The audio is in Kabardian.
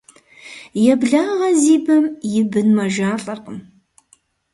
Еблагъэ зи бэм и бын мэжалӀэркъым.